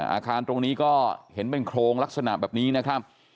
อาคารตรงนี้ก็เห็นเป็นโครงลักษณะแบบนี้นะครับ